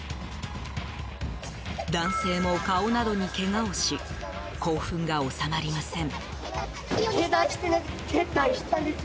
男性も顔などにけがをし興奮が収まりません。